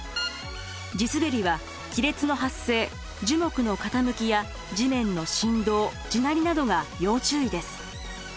地すべりは亀裂の発生樹木の傾きや地面の震動地鳴りなどが要注意です。